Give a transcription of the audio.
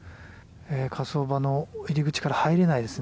火葬場の入り口から入れないですね。